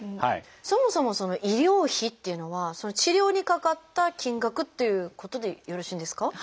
そもそもその「医療費」っていうのは治療にかかった金額っていうことでよろしいんですか？